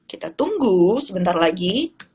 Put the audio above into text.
kita tunggu sebentar lagi